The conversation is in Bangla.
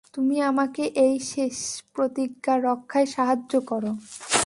তুমি আমাকে এই শেষ প্রতিজ্ঞা-রক্ষায় সাহায্য করো।